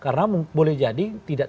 karena boleh jadi tidak terlalu yakin